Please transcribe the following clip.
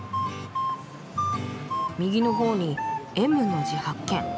右のほうに「Ｍ」の字発見。